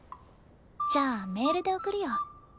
じゃあメールで送るよ。